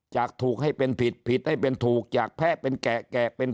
จากถูกให้เป็นผิดผิดให้เป็นถูกจากแพะเป็นแกะเป็น